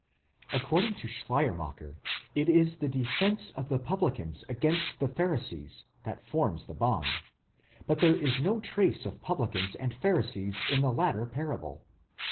According to Schleiermacher, it is the defence of the publicans against the Pharisees, that forms the bond; but there is no trace of publicans and Pharisees in the latter parable.